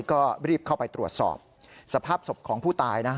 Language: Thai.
ก็รีบเข้าไปตรวจสอบสภาพศพของผู้ตายนะ